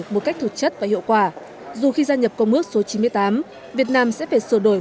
một cách thực chất và hiệu quả dù khi gia nhập công ước số chín mươi tám việt nam sẽ phải sửa đổi